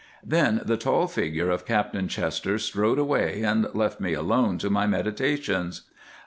Then the tall figure of Captain Chester strode away and left me alone to my meditations.